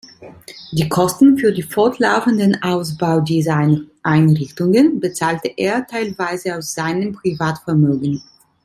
Die Kosten für den fortlaufenden Ausbau dieser Einrichtungen bezahlte er teilweise aus seinem Privatvermögen.